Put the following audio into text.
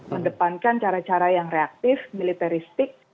mendepankan cara cara yang reaktif militeristik